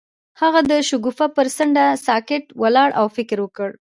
هغه د شګوفه پر څنډه ساکت ولاړ او فکر وکړ.